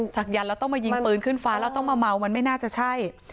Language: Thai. ศักยันต์แล้วต้องมายิงปืนขึ้นฟ้าแล้วต้องมาเมามันไม่น่าจะใช่